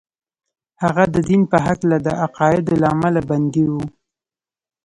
هغه د دين په هکله د عقايدو له امله بندي و.